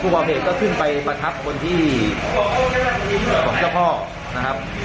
ครูปราเภทก็ขึ้นไปประทับคนที่ที่ของเจ้าพ่อนะครับ